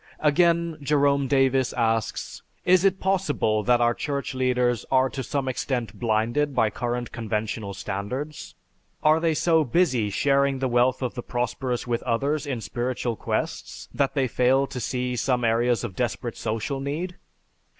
Again Jerome Davis asks, "Is it possible that our Church leaders are to some extent blinded by current conventional standards? Are they so busy sharing the wealth of the prosperous with others in spiritual quests that they fail to see some areas of desperate social need?